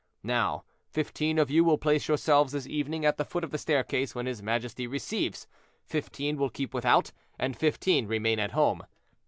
Now fifteen of you will place yourselves this evening at the foot of the staircase when his majesty receives, fifteen will keep without, and fifteen remain at home.